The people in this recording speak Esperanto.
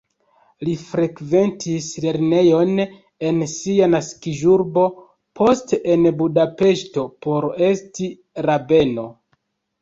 Li frekventis lernejon en sia naskiĝurbo, poste en Budapeŝto por esti rabeno.